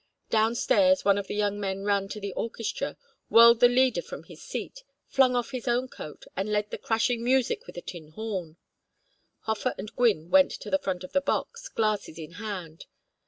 Down stairs one of the young men ran to the orchestra, whirled the leader from his seat, flung off his own coat, and led the crashing music with a tin horn. Hofer and Gwynne went to the front of the box, glasses in hand.